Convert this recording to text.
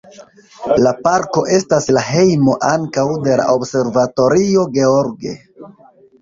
La parko estas la hejmo ankaŭ de la Observatorio George.